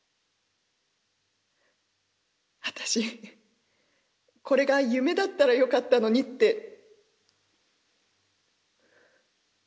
私これが夢だったらよかったのにって」。